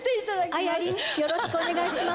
アヤリンよろしくお願いします。